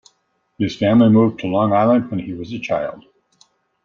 His family moved to Long Island when he was a child.